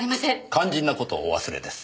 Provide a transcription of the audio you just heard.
肝心な事をお忘れです。